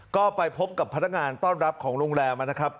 ก็ไปพบกับพนักงานต้อนรับของโรงแรมนะครับ